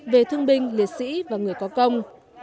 về thương binh liệt sĩ và người có công